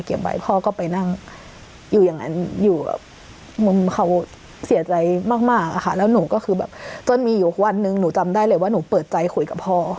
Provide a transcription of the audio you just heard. พ่อก็ไปนั่งอยู่อย่างนั้นอยู่แบบมุมเขาเสียใจมากอะค่ะแล้วหนูก็คือแบบจนมีอยู่วันหนึ่งหนูจำได้เลยว่าหนูเปิดใจคุยกับพ่อ